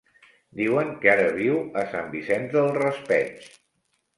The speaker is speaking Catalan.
Diuen que ara viu a Sant Vicent del Raspeig.